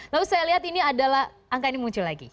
lalu saya lihat ini adalah angka ini muncul lagi